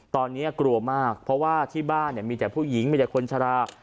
ตอนนี้กลัวมากเพราะว่าที่บ้านมีแต่ผู้หญิงมีแต่คนชะลา